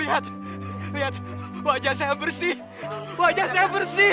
lihat wajah saya bersih wajah saya bersih